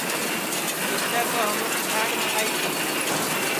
تِسیں تو ہمون کھانٚڈؔ منٚگائی تی